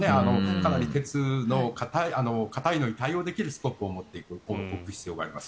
かなり鉄の硬いのに対応できるスコップを持っておく必要があります。